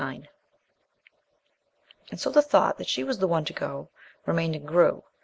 ~IX~ And so the thought that she was the one to go remained and grew.